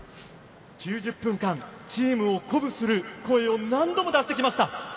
９０分間、チームを鼓舞する声を何度も出してきました。